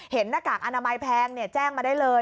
เห็นหน้ากากอนามัยแพงเนี่ยแจ้งมาได้เลย